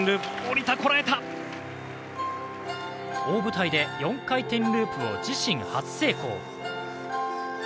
大舞台で４回転ループを自身初成功。